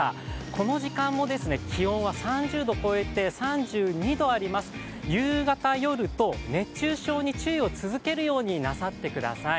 この時間も気温は３０度超えて３２度あります、夕方、夜と熱中症に注意を続けるようになさってください。